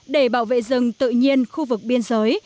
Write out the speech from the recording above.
để bảo vệ rừng tự nhiên khu vực biên giới